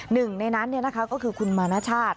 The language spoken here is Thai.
หนึ่งในนั้นนะคะก็คือคุณมนชาติ